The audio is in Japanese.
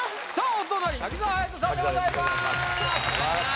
お隣柿澤勇人さんでございます柿澤です